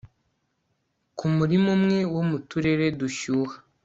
ku murima umwe wo mu turere dushyuha ..